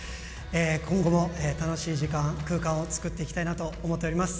今後も楽しい時間、空間を作っていきたいなと思っております。